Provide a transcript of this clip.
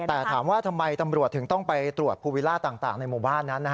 แต่ถามว่าทำไมตำรวจถึงต้องไปตรวจภูวิล่าต่างในหมู่บ้านนั้น